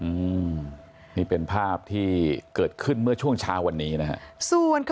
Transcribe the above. อืมนี่เป็นภาพที่เกิดขึ้นเมื่อช่วงเช้าวันนี้นะฮะ